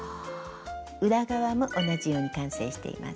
裏側も同じように完成しています。